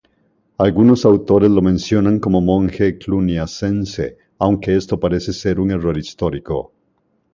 Algunos autores lo mencionan como monje cluniacense, aunque esto parece ser un error histórico.